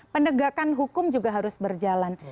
penegakan hukum juga harus berjalan